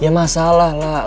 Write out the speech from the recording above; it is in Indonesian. ya masalah lah